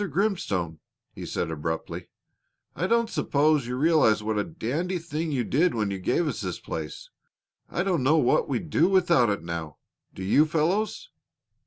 Grimstone," he said abruptly, "I don't suppose you realize what a dandy thing you did when you gave us this place. I don't know what we'd do without it now; do you, fellows?"